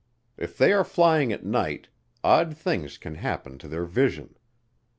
If they are flying at night, odd things can happen to their vision.